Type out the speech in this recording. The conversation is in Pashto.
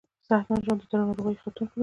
صحتمند ژوند د زړه ناروغیو خطر کموي.